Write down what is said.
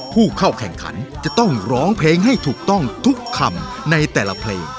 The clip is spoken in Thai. ผู้เข้าแข่งขันจะต้องร้องเพลงให้ถูกต้องทุกคำในแต่ละเพลง